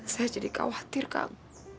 saya jadi khawatir kang